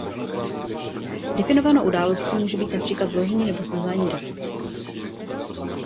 Definovanou událostí může být například vložení nebo smazání dat.